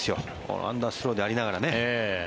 アンダースローでありながらね。